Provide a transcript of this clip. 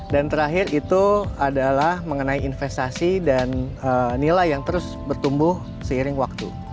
dan terakhir itu adalah mengenai investasi dan nilai yang terus bertumbuh seiring waktu